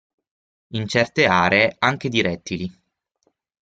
In certe aree anche di rettili.